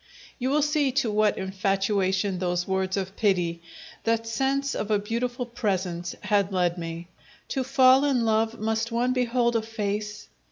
You will see to what infatuation those words of pity, that sense of a beautiful presence, had led me. To fall in love must one behold a face?